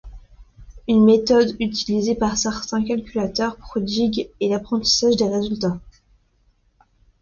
Une méthode utilisée par certains calculateurs prodiges est l'apprentissage des résultats.